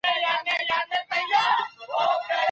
خو ادب بايد وساتل شي.